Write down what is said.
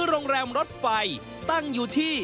โรงแรมรถไฟตั้งอยู่ที่